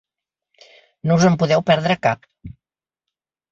No us en podreu perdre cap.